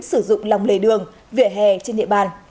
sử dụng lòng lề đường vỉa hè trên địa bàn